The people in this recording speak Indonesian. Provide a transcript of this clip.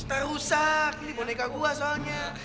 ntar rusak ini boneka gue soalnya